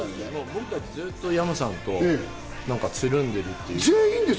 僕たちずっと山さんとつるんでるっていう。